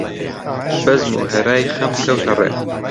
بەزم و هەرای خەم کەوتە ڕێ